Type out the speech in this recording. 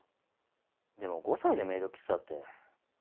でも５歳でメイド喫茶って。